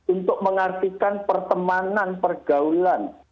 untuk mengartikan pertemanan pergaulan